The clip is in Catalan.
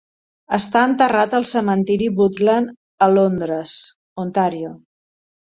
Està enterrat al cementiri Woodland a Londres, Ontario.